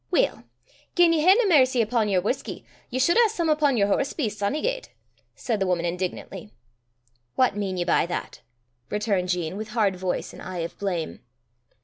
"Weel, gien ye hae nae mercy upo' yer whusky, ye sud hae some upo' yer horse beasts, ony gait," said the woman indignantly. "What mean ye by that?" returned Jean, with hard voice, and eye of blame.